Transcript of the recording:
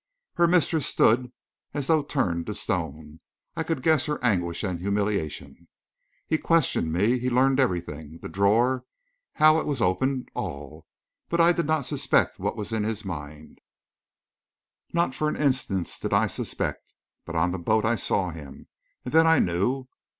Her mistress stood as though turned to stone. I could guess her anguish and humiliation. "He questioned me he learned everything the drawer, how it was opened all. But I did not suspect what was in his mind not for an instant did I suspect. But on the boat I saw him, and then I knew.